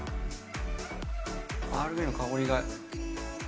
アールグレイの香りが。